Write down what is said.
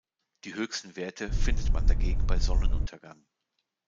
Die höchsten Werte findet man dagegen bei Sonnenuntergang.